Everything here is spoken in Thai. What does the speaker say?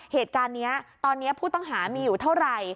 เหตุการณ์นี้ตอนนี้ผู้ต้องหามีอยู่เท่าไหร่